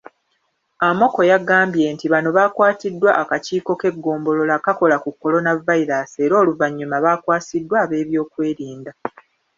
Amoko, yagambye nti bano baakwatiddwa akakiiko k'eggombolola akakola ku Kolonavayiraasi era oluvannyuma baakwasiddwa ab'ebyokwerinda.